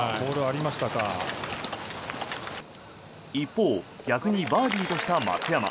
一方逆にバーディーとした松山。